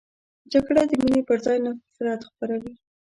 جګړه د مینې پر ځای نفرت خپروي